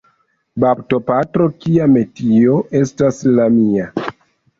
Baptopatro, kia metio estas la mia!